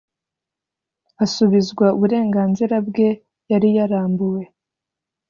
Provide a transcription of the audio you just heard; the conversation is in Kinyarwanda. Asubizwa uburenganzira bwe yari yarambuwe